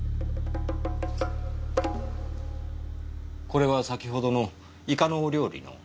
これは先ほどのイカのお料理の？